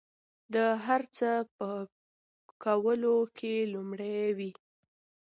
د هر څه په کولو کې لومړي وي.